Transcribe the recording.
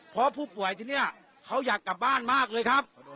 เพราะผู้ป่วยที่นี่เขาอยากกลับบ้านมากเลยครับ